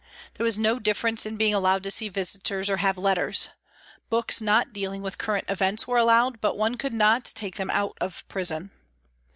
There was no difference in being allowed to see visitors or have letters. Books not dealing with current events were allowed, but one could not take them out of prison.